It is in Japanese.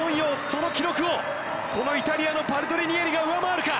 その記録をこのイタリアのパルトリニエリが上回るか。